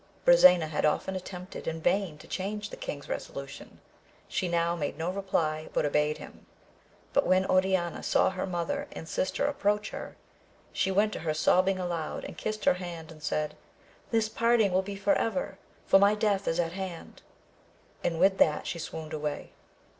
Brisena had often attempted in vain to change the king's resolution ; she now made no reply but obeyed him, but when Oriana saw her mother and sister approach her, she went to her sob bing aloud and kissed her hand and said, This parting will be for ever ! for my death is at hand, and with that she swooned away.